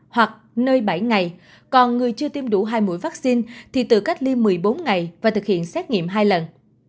hoặc nơi bảy ngày còn người chưa tiêm đủ hai mũi vaccine thì tự cách ly một mươi bốn ngày và thực hiện xét nghiệm hai lần